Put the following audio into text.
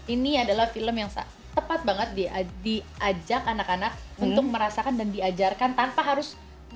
ini adalah film yang tepat banget diajak anak anak untuk merasakan dan diajarkan tanpa harus